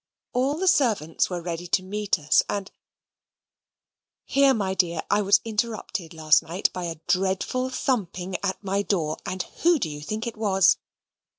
All the servants were ready to meet us, and ... Here, my dear, I was interrupted last night by a dreadful thumping at my door: and who do you think it was?